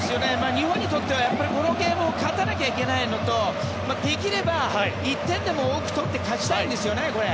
日本にとってはこのゲームを勝たなきゃいけないのとできれば１点でも多く取って勝ちたいんですよね。